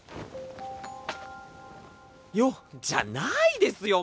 「よっ！」じゃないですよ